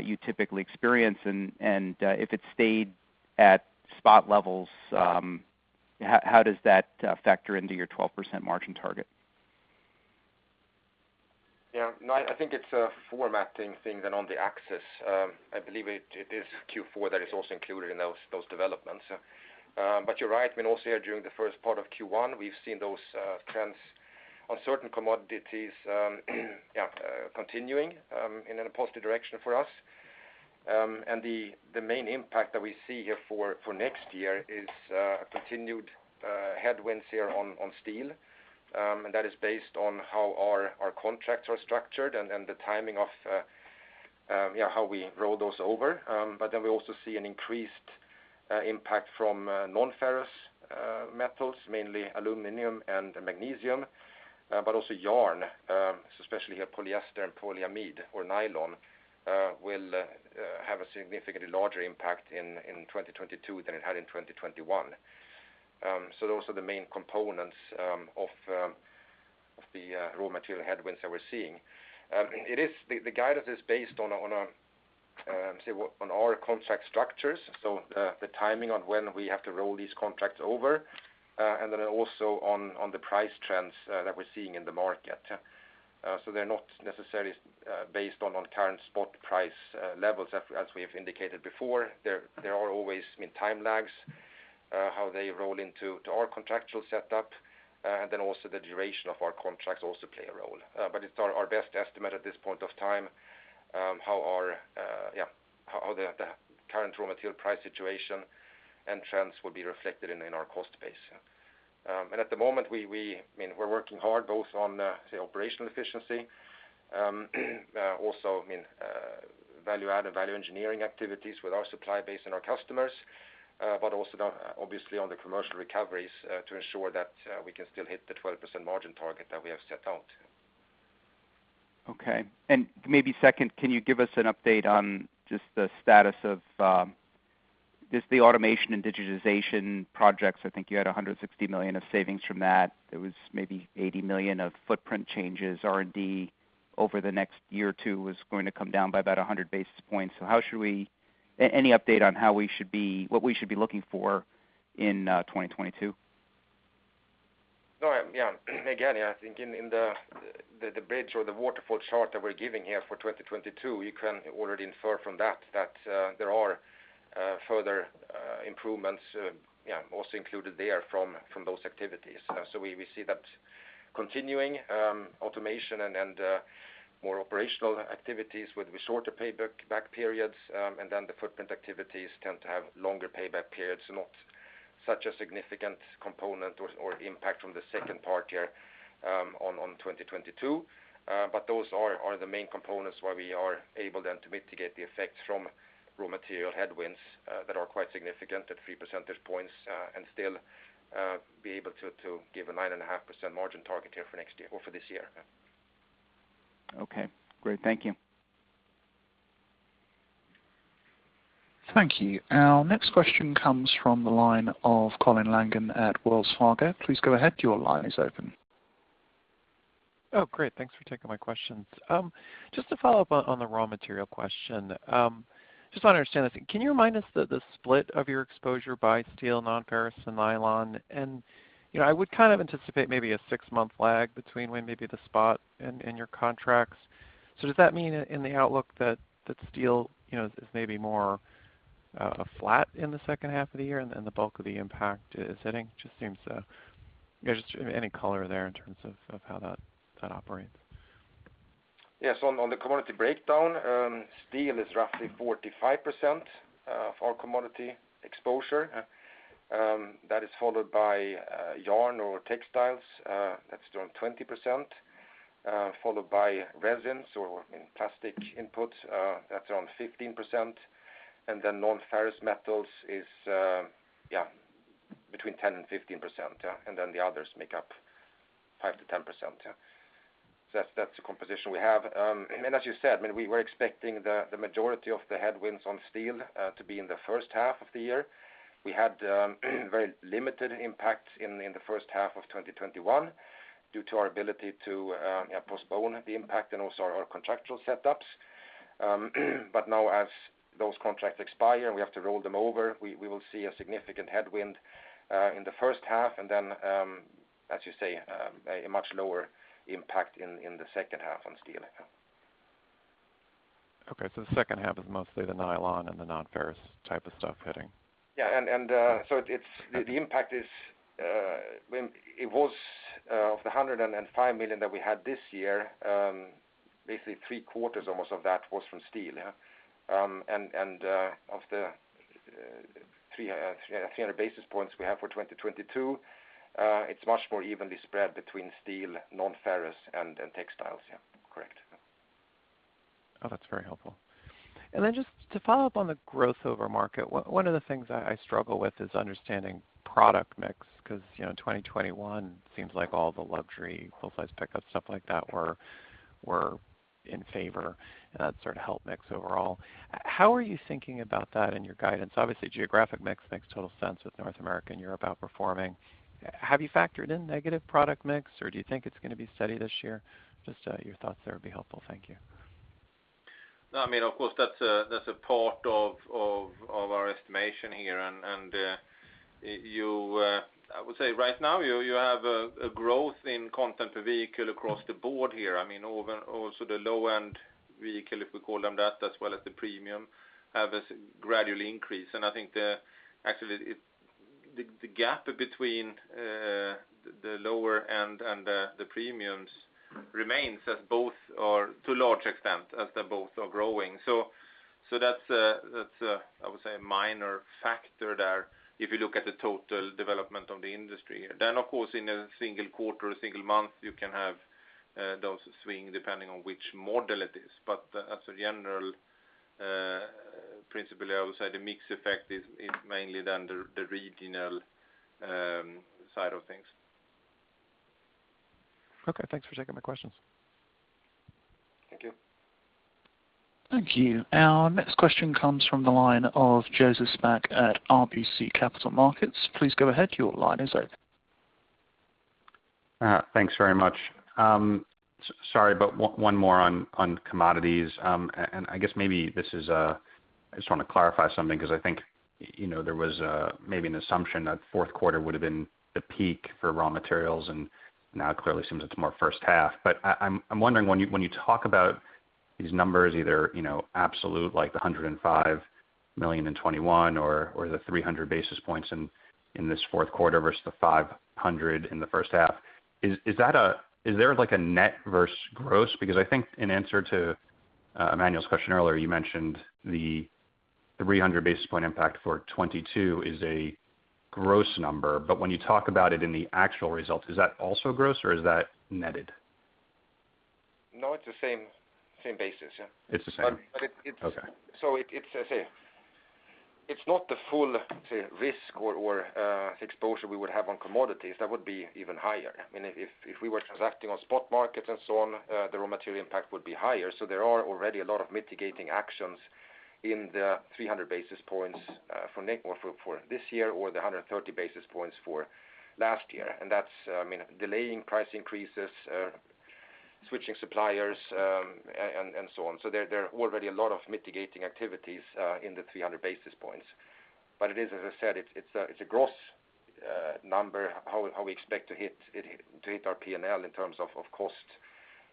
you typically experience. If it stayed at spot levels, how does that factor into your 12% margin target? Yeah. No, I think it's a formatting thing that on the axis. I believe it is Q4 that is also included in those developments. You're right. I mean, also here during the first part of Q1, we've seen those trends on certain commodities continuing in a positive direction for us. The main impact that we see here for next year is continued headwinds here on steel. That is based on how our contracts are structured and the timing of how we roll those over. We also see an increased impact from non-ferrous metals, mainly aluminum and magnesium, but also yarn, so especially here polyester and polyamide or nylon will have a significantly larger impact in 2022 than it had in 2021. Those are the main components of the raw material headwinds that we're seeing. The guidance is based on, say, on our contract structures, so the timing on when we have to roll these contracts over and then also on the price trends that we're seeing in the market. They're not necessarily based on current spot price levels. As we have indicated before, there are always, I mean, time lags. How they roll into our contractual setup, and then also the duration of our contracts also play a role. It's our best estimate at this point of time, how the current raw material price situation and trends will be reflected in our cost base. At the moment, I mean, we're working hard both on, say, operational efficiency, also, I mean, value add and value engineering activities with our supply base and our customers, but also now obviously on the commercial recoveries, to ensure that we can still hit the 12% margin target that we have set out. Okay. Maybe second, can you give us an update on just the status of just the automation and digitization projects? I think you had $160 million of savings from that. There was maybe $80 million of footprint changes. R&D over the next year or two was going to come down by about 100 basis points. Any update on what we should be looking for in 2022? No. Again, I think in the bridge or the waterfall chart that we're giving here for 2022, you can already infer from that that there are further improvements also included there from those activities. We see that continuing automation and more operational activities with the shorter payback periods. The footprint activities tend to have longer payback periods, not such a significant component or impact from the second part here on 2022. Those are the main components where we are able then to mitigate the effects from raw material headwinds that are quite significant at three percentage points and still be able to give a 9.5% margin target here for next year or for this year. Okay, great. Thank you. Thank you. Our next question comes from the line of Colin Langan at Wells Fargo. Please go ahead. Your line is open. Oh, great. Thanks for taking my questions. Just to follow up on the raw material question, just want to understand this. Can you remind us the split of your exposure by steel, nonferrous, and nylon? You know, I would kind of anticipate maybe a six-month lag between when maybe the spot and your contracts. So does that mean in the outlook that steel you know is maybe more flat in the second half of the year and the bulk of the impact is hitting? Just seems. Just any color there in terms of how that operates. Yes. On the commodity breakdown, steel is roughly 45% of our commodity exposure. That is followed by yarn or textiles, that's around 20%, followed by resins or, I mean, plastic inputs, that's around 15%. Nonferrous metals is between 10%-15%. The others make up 5%-10%. That's the composition we have. As you said, we were expecting the majority of the headwinds on steel to be in the first half of the year. We had very limited impact in the first half of 2021 due to our ability to postpone the impact and also our contractual setups. Now as those contracts expire and we have to roll them over, we will see a significant headwind in the first half and then, as you say, a much lower impact in the second half on steel. Yeah. Okay. The second half is mostly the nylon and the nonferrous type of stuff hitting. Yeah, the impact is of the $105 million that we had this year. Basically three quarters almost of that was from steel, yeah. Of the 300 basis points we have for 2022, it's much more evenly spread between steel, nonferrous, and textiles. Yeah. Correct. Oh, that's very helpful. Just to follow up on the growth over market, one of the things I struggle with is understanding product mix, 'cause, you know, in 2021 seems like all the luxury, full-size pickup, stuff like that were in favor, and that sort of helped mix overall. How are you thinking about that in your guidance? Obviously, geographic mix makes total sense with North America and Europe outperforming. Have you factored in negative product mix, or do you think it's going to be steady this year? Just, your thoughts there would be helpful. Thank you. No, I mean, of course that's a part of our estimation here. I would say right now you have a growth in content per vehicle across the board here. I mean, over also the low end vehicle, if we call them that, as well as the premium, have a gradually increase. Actually, the gap between the lower end and the premiums remains as both are to a large extent, as they both are growing. That's a, I would say, a minor factor there if you look at the total development of the industry. Of course, in a single quarter or single month, you can have those swings depending on which model it is. As a general principle, I would say the mix effect is mainly then the regional side of things. Okay, thanks for taking my questions. Thank you. Thank you. Our next question comes from the line of Joseph Spak at RBC Capital Markets. Please go ahead, your line is open. Thanks very much. Sorry, one more on commodities. I guess maybe this is, I just want to clarify something because I think, you know, there was maybe an assumption that Q4 would have been the peak for raw materials, and now it clearly seems it's more first half. I'm wondering when you talk about these numbers either, you know, absolute like the $105 million in 2021 or the 300 basis points in this Q4 versus the 500 in the first half. Is there like a net versus gross? Because I think in answer to Emmanuel's question earlier, you mentioned the 300 basis point impact for 2022 is a gross number. when you talk about it in the actual results, is that also gross or is that netted? No, it's the same basis, yeah. It's the same. But it- Okay. It's not the full risk or exposure we would have on commodities that would be even higher. I mean, if we were transacting on spot markets and so on, the raw material impact would be higher. There are already a lot of mitigating actions in the 300 basis points for this year or the 130 basis points for last year. That's, I mean, delaying price increases, switching suppliers, and so on. There are already a lot of mitigating activities in the 300 basis points. But it is, as I said, a gross number, how we expect to hit our P&L in terms of cost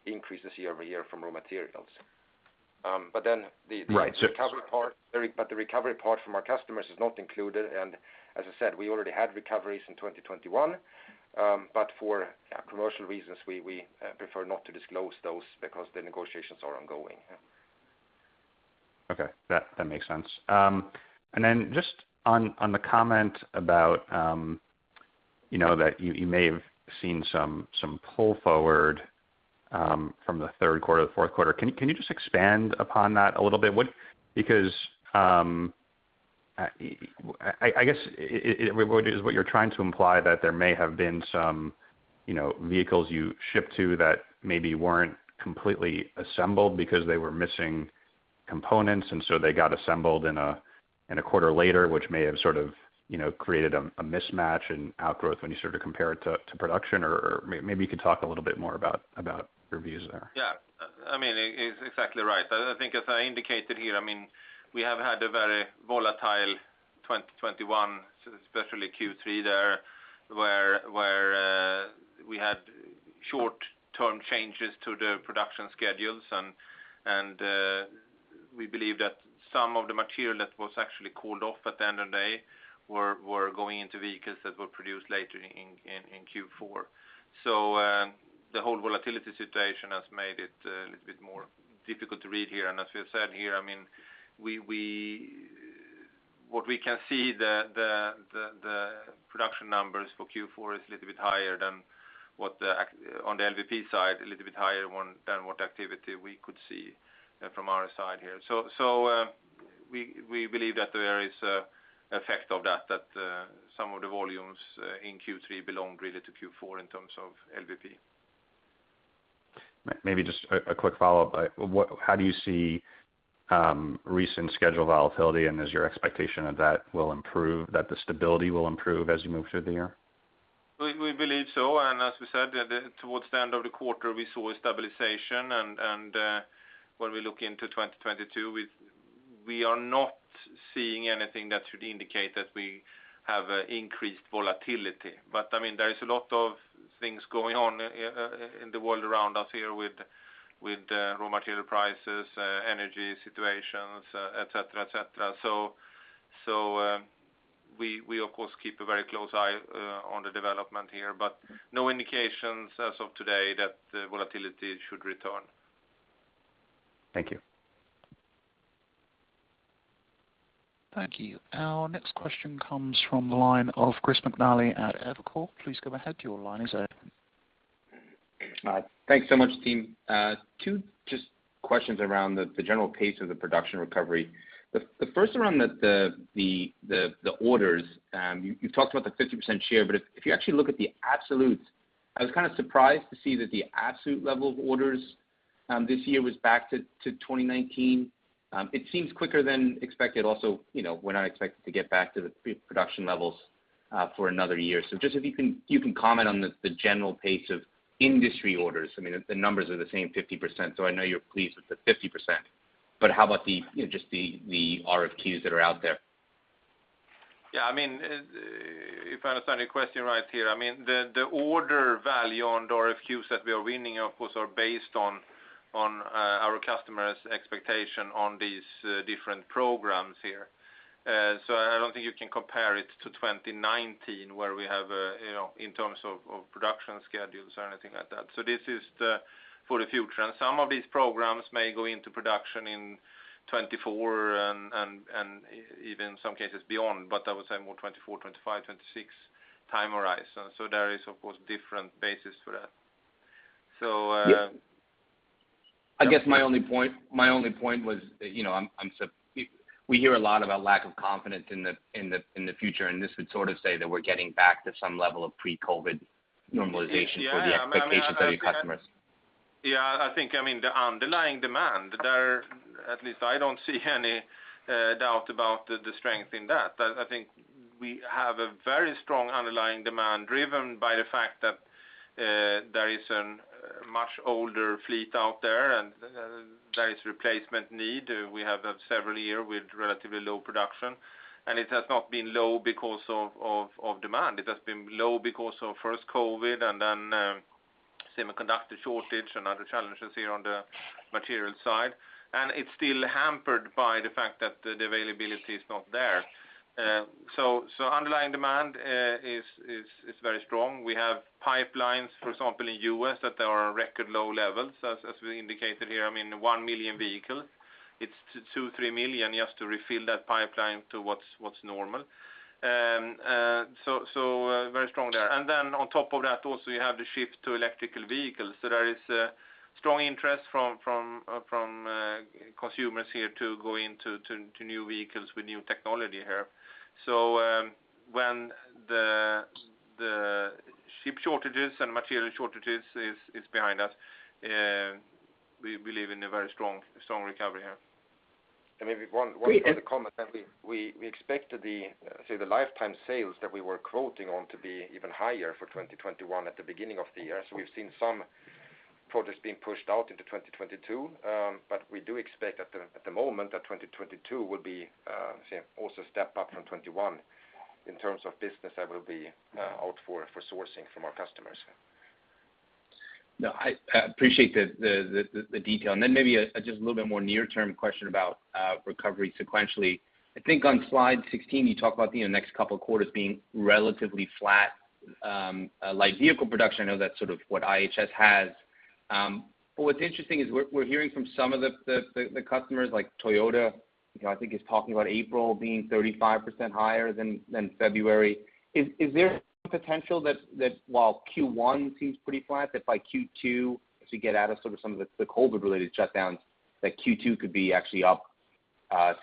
increases year-over-year from raw materials. Um, but then the- Right. The recovery part from our customers is not included. As I said, we already had recoveries in 2021. For commercial reasons, we prefer not to disclose those because the negotiations are ongoing. Yeah. Okay. That makes sense. Then just on the comment about, you know, that you may have seen some pull forward from the Q3, the Q4. Can you just expand upon that a little bit? Because I guess what you're trying to imply that there may have been some, you know, vehicles you ship to that maybe weren't completely assembled because they were missing components, and so they got assembled in a quarter later, which may have sort of, you know, created a mismatch in outgrowth when you sort of compare it to production. Maybe you could talk a little bit more about your views there. Yeah. I mean, it's exactly right. I think as I indicated here, I mean, we have had a very volatile 2021, especially Q3 there, where we had short-term changes to the production schedules and we believe that some of the material that was actually cooled off at the end of the day were going into vehicles that were produced later in Q4. The whole volatility situation has made it a little bit more difficult to read here. As we have said here, I mean, what we can see, the production numbers for Q4 is a little bit higher than what the actual on the LVP side, a little bit higher than what activity we could see from our side here. We believe that there is a effect of that, some of the volumes in Q3 belong really to Q4 in terms of LVP. Maybe just a quick follow-up. How do you see recent schedule volatility? Is your expectation of that will improve, that the stability will improve as you move through the year? We believe so. As we said, towards the end of the quarter, we saw a stabilization. When we look into 2022, we are not seeing anything that should indicate that we have increased volatility. I mean, there is a lot of things going on in the world around us here with raw material prices, energy situations, et cetera. We of course keep a very close eye on the development here, but no indications as of today that volatility should return. Thank you. Thank you. Our next question comes from the line of Chris McNally at Evercore. Please go ahead. Your line is open. Thanks so much, team. two just questions around the general pace of the production recovery. The first around the orders. You talked about the 50% share, but if you actually look at the absolute, I was kind of surprised to see that the absolute level of orders this year was back to 2019. It seems quicker than expected. Also, you know, we're not expected to get back to the pre-production levels for another year. Just if you can comment on the general pace of industry orders. I mean, the numbers are the same 50%, so I know you're pleased with the 50%, but how about, you know, just the RFQs that are out there? Yeah, I mean, if I understand your question right here, I mean, the order value on RFQs that we are winning, of course, are based on our customers' expectation on these different programs here. So I don't think you can compare it to 2019 where we have, you know, in terms of production schedules or anything like that. This is for the future. Some of these programs may go into production in 2024 and even some cases beyond. But I would say more 2024, 2025, 2026 time horizon. There is, of course, different basis for that. Yeah. I guess my only point was, you know, we hear a lot about lack of confidence in the future, and this would sort of say that we're getting back to some level of pre-COVID normalization for the expectations of your customers. Yeah. I think, I mean, the underlying demand there, at least I don't see any doubt about the strength in that. I think we have a very strong underlying demand driven by the fact that there is a much older fleet out there, and there is replacement need. We have had several years with relatively low production, and it has not been low because of demand. It has been low because of first COVID and then semiconductor shortage and other challenges here on the material side. It's still hampered by the fact that the availability is not there. Underlying demand is very strong. We have pipelines, for example, in the U.S. that are at record low levels as we indicated here. I mean, one million vehicles. It's $2-3 million just to refill that pipeline to what's normal. So very strong there. On top of that also you have the shift to electric vehicles. There is strong interest from consumers here to go into new vehicles with new technology here. When the chip shortages and material shortages is behind us, we believe in a very strong recovery here. Maybe one other comment that we expect the lifetime sales that we were quoting on to be even higher for 2021 at the beginning of the year. We've seen some products being pushed out into 2022. We do expect at the moment that 2022 will be also a step up from 2021 in terms of business that will be out for sourcing from our customers. No, I appreciate the detail. Then maybe just a little bit more near-term question about recovery sequentially. I think on slide 16 you talk about, you know, next couple of quarters being relatively flat, like vehicle production. I know that's sort of what IHS has. But what's interesting is we're hearing from some of the customers like Toyota, you know, I think is talking about April being 35% higher than February. Is there potential that while Q1 seems pretty flat, that by Q2 as we get out of sort of some of the COVID-related shutdowns, that Q2 could be actually up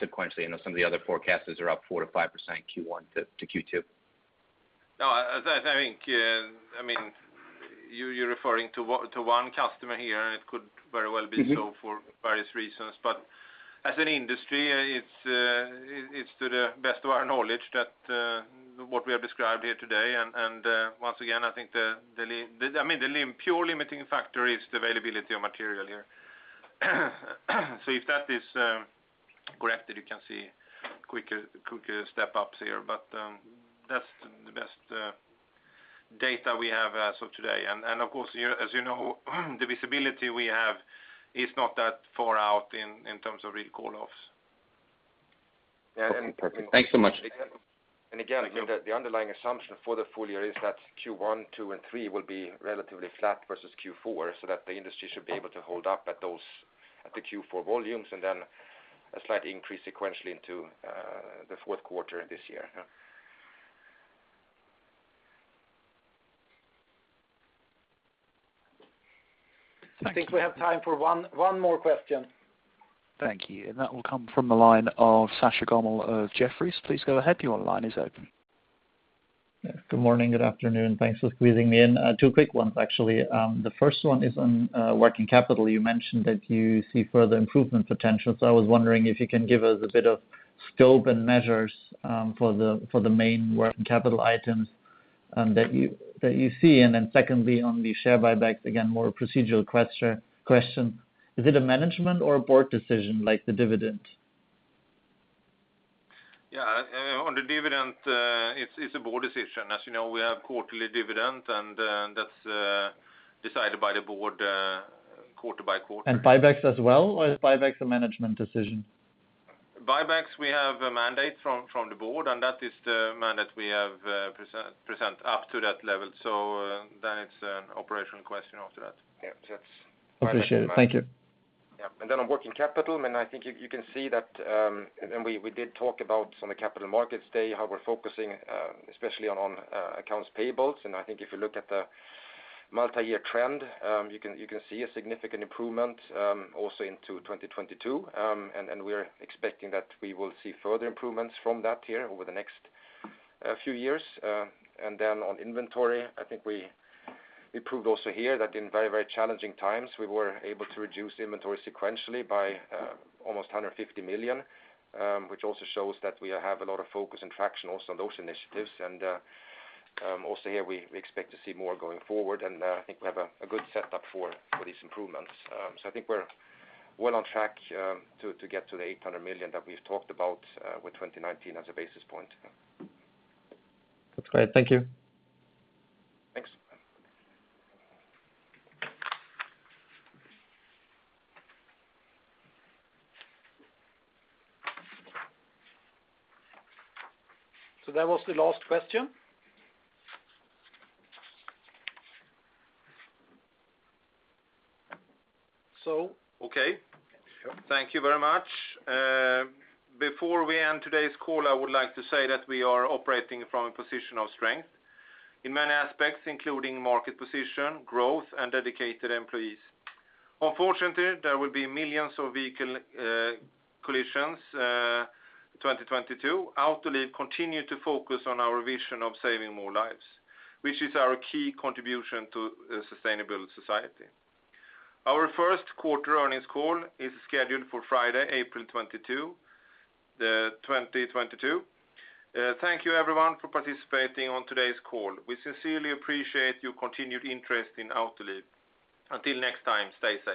sequentially? I know some of the other forecasters are up 4%-5% Q1 to Q2. No, I think, I mean, you're referring to one customer here, and it could very well be so for various reasons. As an industry, it's to the best of our knowledge that what we have described here today. Once again, I think the limiting factor is the availability of material here. If that is corrected, you can see quicker step-ups here. That's the best data we have as of today. Of course, you know, as you know, the visibility we have is not that far out in terms of roll-offs. Okay. Perfect. Thanks so much. Again, I think that the underlying assumption for the full year is that Q1, Q2, and Q3 will be relatively flat versus Q4, so that the industry should be able to hold up at those, at the Q4 volumes, and then a slight increase sequentially into the Q4 this year. Thanks. I think we have time for one more question. Thank you. That will come from the line of Sascha Gommel of Jefferies. Please go ahead, your line is open. Good morning, good afternoon. Thanks for squeezing me in. Two quick ones, actually. The first one is on working capital. You mentioned that you see further improvement potential. I was wondering if you can give us a bit of scope and measures for the main working capital items that you see. Secondly, on the share buyback, again, more procedural question. Is it a management or a board decision like the dividend? Yeah. On the dividend, it's a board decision. As you know, we have quarterly dividend, and that's decided by the board, quarter by quarter. Buybacks as well, or is buybacks a management decision? Buybacks, we have a mandate from the board, and that is the mandate we have present up to that level. Then it's an operational question after that. Yeah. Appreciate it. Thank you. Yeah. Then on working capital, I mean, I think you can see that, and we did talk about on the Capital Markets Day how we're focusing, especially on accounts payable. I think if you look at the multi-year trend, you can see a significant improvement, also into 2022. We're expecting that we will see further improvements from that here over the next few years. Then on inventory, I think we proved also here that in very challenging times, we were able to reduce inventory sequentially by almost $150 million, which also shows that we have a lot of focus and traction also on those initiatives. also here we expect to see more going forward, and I think we have a good setup for these improvements. I think we're well on track to get to the $800 million that we've talked about with 2019 as a basis point. That's great. Thank you. Thanks. That was the last question. Okay. Thank you very much. Before we end today's call, I would like to say that we are operating from a position of strength in many aspects, including market position, growth, and dedicated employees. Unfortunately, there will be millions of vehicle collisions in 2022. Autoliv continues to focus on our vision of saving more lives, which is our key contribution to a sustainable society. Our Q1 earnings call is scheduled for Friday, April 22, 2022. Thank you everyone for participating on today's call. We sincerely appreciate your continued interest in Autoliv. Until next time, stay safe.